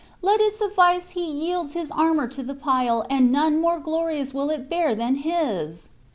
Let it suffice he yields his armor to the pile, and none more glorious will it bear than his."